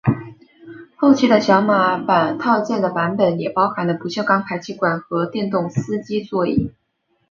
后期的小马版套件的版本也包含了不锈钢排气管和电动司机座椅。